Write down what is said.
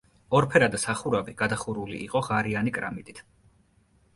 ორფერდა სახურავი გადახურული იყო ღარიანი კრამიტით.